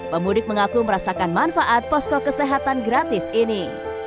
pemudik mengaku merasakan manfaat posko kesehatan gratis ini